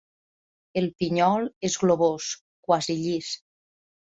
El pinyol és globós, quasi llis.